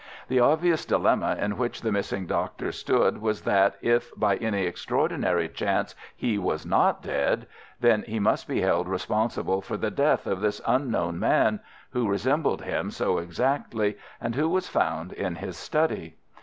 The obvious dilemma in which the missing doctor stood was that if by any extraordinary chance he was not dead, then he must be held responsible for the death of this unknown man, who resembled him so exactly, and who was found in his study.